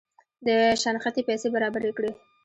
د شنختې پیسې برابري کړي.